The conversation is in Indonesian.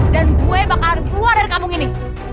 dan gue bakalan keluar dari kampung ini